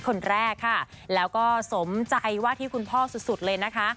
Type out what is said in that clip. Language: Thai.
คนแรกค่ะแล้วก็สมใจว่าที่คุณพ่อสุดสุดเลยนะคะ